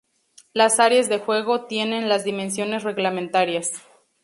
Las áreas de juego tienen las dimensiones reglamentarias.